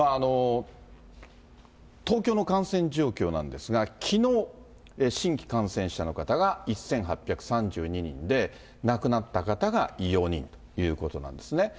東京の感染状況なんですが、きのう、新規感染者の方が１８３２人で、亡くなった方が４人ということなんですね。